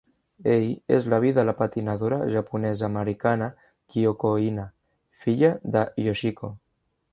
Ell és l"avi de la patinadora japonesa-americana Kyoko Ina, filla de Yoshiko.